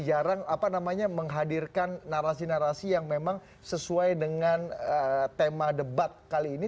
jarang apa namanya menghadirkan narasi narasi yang memang sesuai dengan tema debat kali ini